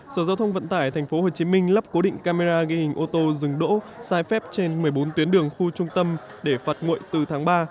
sở giao thông vận tải tp hcm lắp cố định camera ghi hình ô tô dừng đỗ sai phép trên một mươi bốn tuyến đường khu trung tâm để phạt nguội từ tháng ba